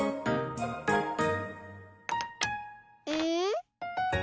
うん？